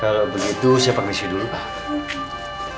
kalau begitu saya panggil siapa dulu pak